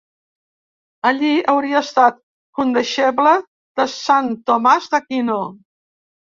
Allí, hauria estat condeixeble de Sant Tomàs d'Aquino.